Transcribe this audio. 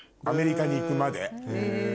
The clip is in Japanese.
アメリカに行くまで。